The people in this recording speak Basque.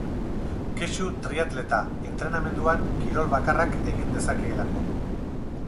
Kexu triatleta, entrenamenduan, kirol bakarrak egin dezakeelako.